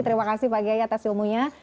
terima kasih pak kiai atas ilmunya